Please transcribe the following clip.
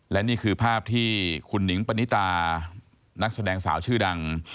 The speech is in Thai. และนี่คือภาพที่คุณหนิงปณิตานักแสดงสาวชื่อดัง